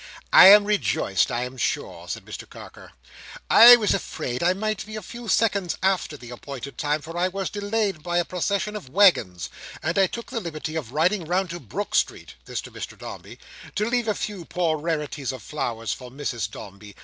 "I am rejoiced, I am sure," says Mr Carker. "I was afraid I might be a few seconds after the appointed time, for I was delayed by a procession of waggons; and I took the liberty of riding round to Brook Street"—this to Mr Dombey—"to leave a few poor rarities of flowers for Mrs Dombey.